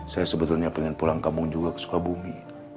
saya sebetulnya pengen pulang kampung juga ke sekolah bumi